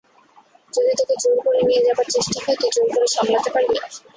যদি তোকে জোর করে নিয়ে যাবার চেষ্টা হয়, তুই জোর করে সামলাতে পারবি?